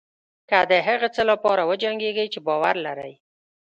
که د هغه څه لپاره وجنګېږئ چې باور لرئ.